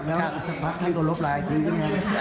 แล้วสักพักท่านก็ลบไลน์ทิ้ง